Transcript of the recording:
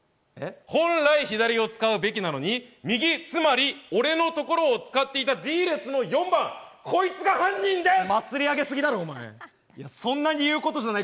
本来、左を使うべきなのに、右、つまり俺のところを使っていたＤ列の４番、こいつが犯人です！